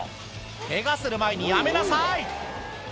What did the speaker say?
けがする前にやめなさい！